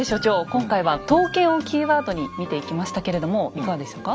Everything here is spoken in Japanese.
今回は「刀剣」をキーワードに見ていきましたけれどもいかがでしたか？